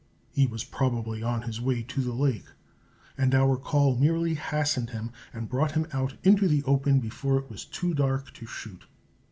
He was probably on his way to the lake, and our call merely hastened him and brought him out into the open before it was too dark to shoot.